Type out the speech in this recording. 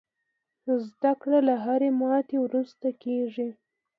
زده کړه له هرې ماتې وروسته کېږي.